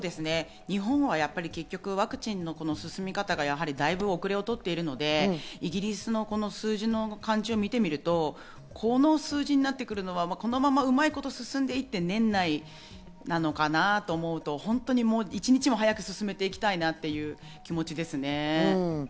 日本はやっぱりワクチンの進み方がだいぶ遅れをとっているので、イギリスのこの数字の感じを見てみると、この数字になってくるのは、このままうまいこと進んでいって、年内なのかなと思うと、一日も早く進めていきたいなという気持ちです。